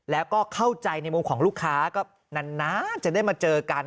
แล้วก็เข้าใจในมุมของลูกค้าก็นานจะได้มาเจอกัน